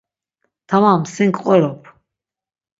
Tamam, sin ǩqorop.